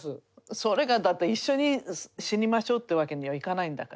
それがだって一緒に死にましょうってわけにはいかないんだから。